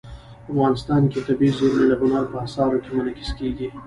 افغانستان کې طبیعي زیرمې د هنر په اثار کې منعکس کېږي.